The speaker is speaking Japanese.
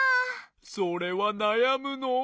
それはなやむのう。